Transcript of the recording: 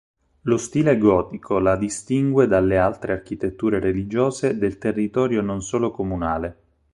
Lo stile gotico la distingue dalle altre architetture religiose del territorio non solo comunale.